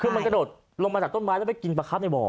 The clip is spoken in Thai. คือมันกระโดดลงมาจากต้นไม้แล้วไปกินปลาครับในบ่อ